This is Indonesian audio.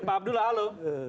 pak abdullah halo